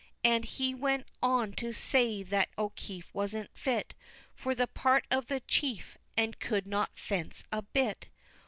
And he went on to say that O'Keefe wasn't fit For the part of the chief, and could not fence a bit.